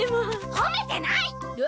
褒めてない！